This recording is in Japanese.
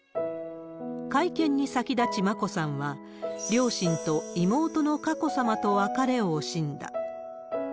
会見に先立ち眞子さんは、両親と妹の佳子さまと別れを惜しんだ。